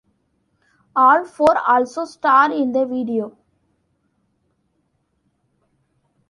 All four also star in the video.